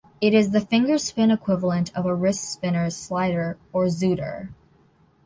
It is the finger spin equivalent of a wrist spinner's "slider" or "zooter".